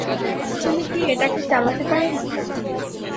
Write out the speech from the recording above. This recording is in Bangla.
তুমি কি এটাকে চালাতে পারো না?